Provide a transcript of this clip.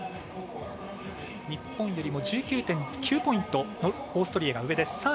日本よりも１９．９ポイントオーストリアが上です。